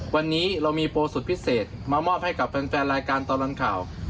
วันนี้เรามีโปรสุดพิเศษมามอบให้กับแฟนรายการตลอดข่าว